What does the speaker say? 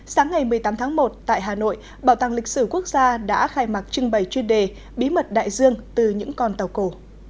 sáng ngày một mươi tám tháng một tại hà nội bảo tàng lịch sử quốc gia đã khai mạc trưng bày chuyên đề bí mật đại dương từ những con tàu cổ